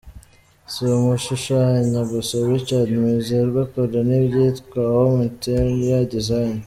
Si ugushushanya gusa, Richard Mwizerwa akora n'ibyitwa 'Home Interior Design'.